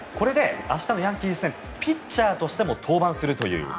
明日のヤンキース戦ピッチャーとしても登板するという。